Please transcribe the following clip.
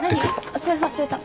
お財布忘れた。